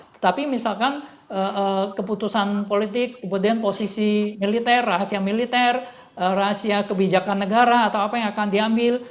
tetapi misalkan keputusan politik kemudian posisi militer rahasia militer rahasia kebijakan negara atau apa yang akan diambil